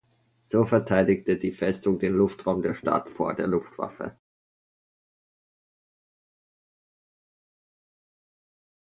So verteidigte die Festung den Luftraum der Stadt vor der Luftwaffe.